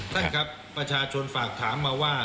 ท่านครับประชาชนฝากถามมาว่า